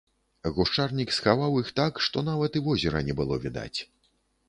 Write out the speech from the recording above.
Гушчарнік схаваў іх так, што нават і возера не было відаць.